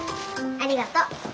ありがとう。